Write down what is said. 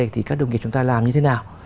thì các đồng nghiệp chúng ta làm như thế nào